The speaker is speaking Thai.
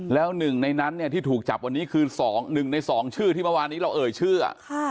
แล้วหนึ่งในนั้นเนี่ยที่ถูกจับวันนี้คือ๑ใน๒ชื่อที่เมื่อวานนี้เราเอ่ยชื่อ